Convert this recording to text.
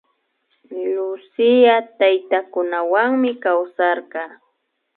Lucía taytakunawanmi kawsarka